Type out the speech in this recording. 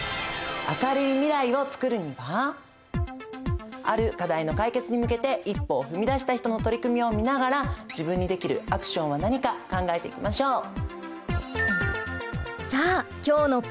テーマはある課題の解決に向けて一歩を踏み出した人の取り組みを見ながら自分にできるアクションは何か考えていきましょう！